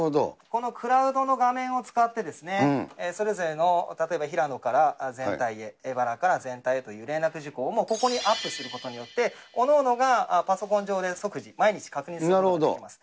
このクラウドの画面を使って、それぞれの例えば平野から全体へ、江原から全体へという連絡事項を、もうここにアップすることによって、おのおのがパソコン上で即時、毎日確認することができます。